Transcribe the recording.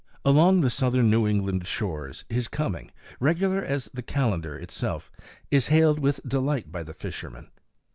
Along the southern New England shores his coming regular as the calendar itself is hailed with delight by the fishermen.